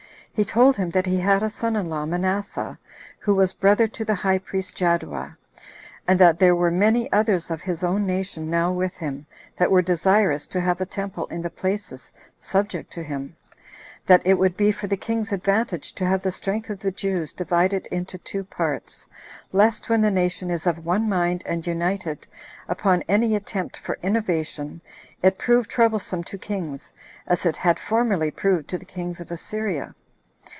He told him that he had a son in law, Manasseh, who was brother to the high priest Jaddua; and that there were many others of his own nation, now with him, that were desirous to have a temple in the places subject to him; that it would be for the king's advantage to have the strength of the Jews divided into two parts, lest when the nation is of one mind, and united, upon any attempt for innovation, it prove troublesome to kings, as it had formerly proved to the kings of Assyria.